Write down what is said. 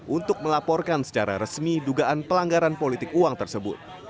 untuk melaporkan secara resmi dugaan pelanggaran politik uang tersebut